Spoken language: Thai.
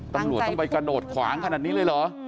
ตำรวจต้องไปกระโดดขวางขนาดนี้เลยเหรอ